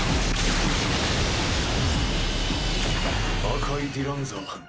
赤いディランザ。